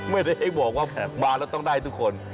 ไม่ได้บอกว่ามาแล้วต้องได้ทุกคน